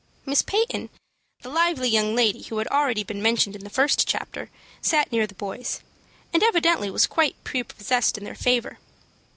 Miss Peyton, the lively young lady who has already been mentioned in the first chapter, sat near the boys, and evidently was quite prepossessed in their favor.